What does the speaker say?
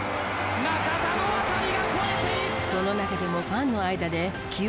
中田の当たりが越えていった！